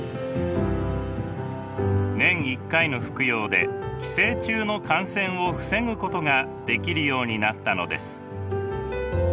年１回の服用で寄生虫の感染を防ぐことができるようになったのです。